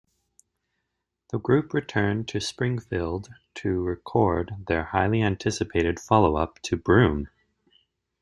The group returned to Springfield to record their highly anticipated follow up to "Broom".